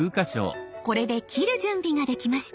これで切る準備ができました。